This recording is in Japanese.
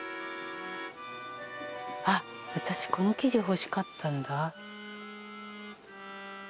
あっ私この生地欲しかったんだ。